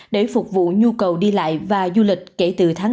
để phục vụ nhu cầu đi lại và du lịch kể từ tháng bốn